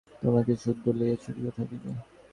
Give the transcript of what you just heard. লাগাম ছাড়িয়া দিলে অশ্বেরা তোমাকে সুদ্ধ লইয়া ছুটিতে থাকিবে।